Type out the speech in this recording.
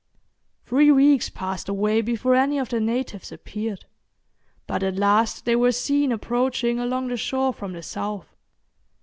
Three weeks passed away before any of the natives appeared, but at last they were seen approaching along the shore from the south.